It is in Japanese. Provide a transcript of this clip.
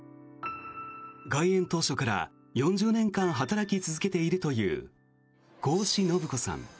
開園当初から４０年間働き続けているという好士信子さん。